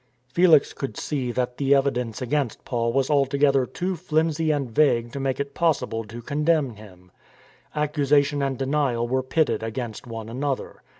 Felix could see that the evidence against Paul was altogether too flimsy and vague to make it pos sible to condemn him. Accusation and denial were pitted against one another.